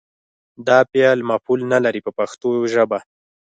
دا فعل مفعول نه لري په پښتو ژبه.